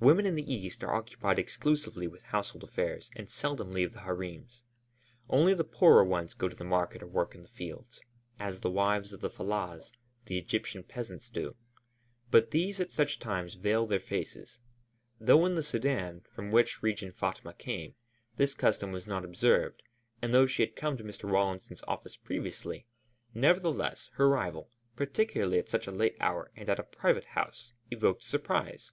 Women in the East are occupied exclusively with household affairs and seldom leave the harems. Only the poorer ones go to the market or work in the fields, as the wives of the fellahs, the Egyptian peasants, do; but these at such times veil their faces. Though in the Sudân, from which region Fatma came, this custom was not observed, and though she had come to Mr. Rawlinson's office previously, nevertheless, her arrival, particularly at such a late hour and at a private house, evoked surprise.